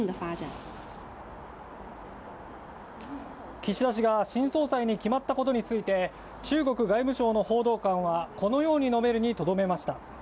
岸田氏が新総裁に決まったことについて中国外務省の報道官は、このように述べるにとどめました。